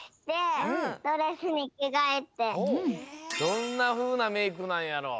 どんなふうなメークなんやろ。